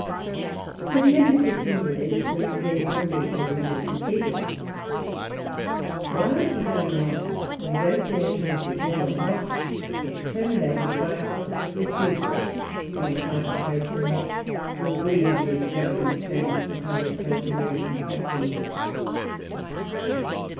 At the end of fifteen days the repairs of the Mercury were completed. While they were going on, the negotiation with the General Knox was terminated by a positive refusal on the part of Freycinet to agree to the extravagant terms proposed by the American captain.